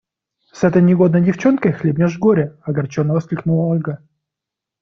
С этой негодной девчонкой хлебнешь горя! – огорченно воскликнула Ольга.